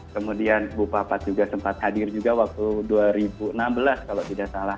kemudian bu papat juga sempat hadir juga waktu dua ribu enam belas kalau tidak salah